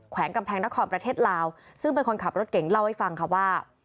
วงกำแพงนครประเทศลาวซึ่งเป็นคนขับรถเก่งเล่าให้ฟังค่ะว่า